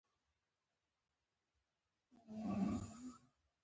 کور د انسان د خوښۍ سبب دی.